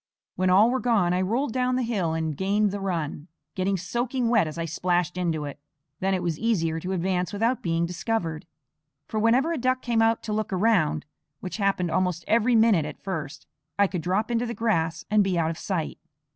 When all were gone I rolled down the hill and gained the run, getting soaking wet as I splashed into it. Then it was easier to advance without being discovered; for whenever a duck came out to look round which happened almost every minute at first I could drop into the grass and be out of sight.